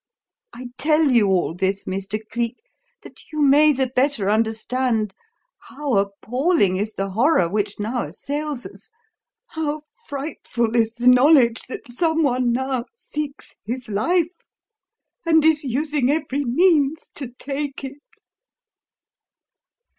I tell you all this, Mr. Cleek, that you may the better understand how appalling is the horror which now assails us, how frightful is the knowledge that someone now seeks his life, and is using every means to take it."